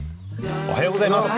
おはようございます。